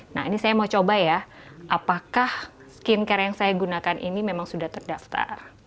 nah ini saya mau coba ya apakah skincare yang saya gunakan ini memang sudah terdaftar